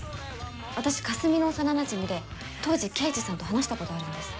私かすみの幼なじみで当時刑事さんと話したことあるんです。